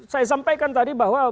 saya sampaikan tadi bahwa